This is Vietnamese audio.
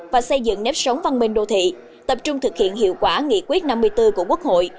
và xây dựng nếp sống văn minh đô thị tập trung thực hiện hiệu quả nghị quyết năm mươi bốn của quốc hội